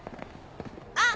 あっ！